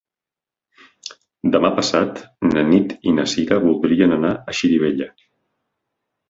Demà passat na Nit i na Cira voldrien anar a Xirivella.